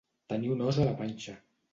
Tenir un os a la panxa.